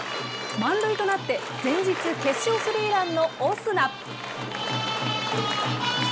満塁となって前日、決勝スリーランのオスナ。